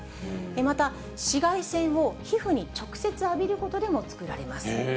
また、紫外線を皮膚に直接浴びることでも作られます。